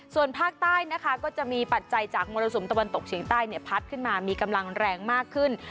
ส่วนภาคใต้นะคะก็จะมีปัจจัยจากมรสุมตะวันตกเฉียงใต้พัดขึ้นมามีกำลังแรงมากขึ้น